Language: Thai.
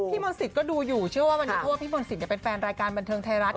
พี่มณศิษย์ก็ดูอยู่เชื่อว่ามันจะโทรพี่มณศิษย์เป็นแฟนรายการบันเทิงไทยรัฐ